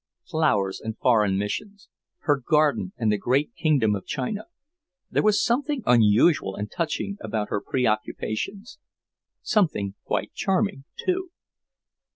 Flowers and foreign missions her garden and the great kingdom of China; there was something unusual and touching about her preoccupations. Something quite charming, too.